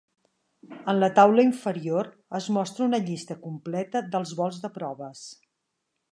En la taula inferior es mostra una llista completa dels vols de proves.